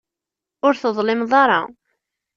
Ur teḍlimeḍ ara.